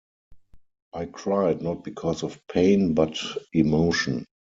I cried not because of pain but emotion.